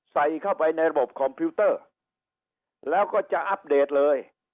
ใส่เข้าไปในระบบคอมพิวเตอร์แล้วก็จะอัปเดตเลย